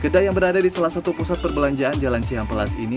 kedai yang berada di salah satu pusat perbelanjaan jalan cihampelas ini